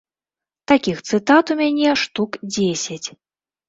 Такіх цытат у мяне штук дзесяць.